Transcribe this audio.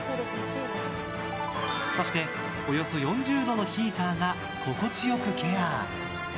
そして、およそ４０度のヒーターが、心地よくケア。